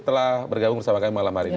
telah bergabung bersama kami malam hari ini